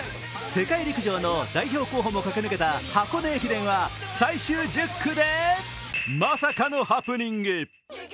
世界陸上の代表候補も駆け抜けた箱根駅伝では最終１０区でまさかのハプニング。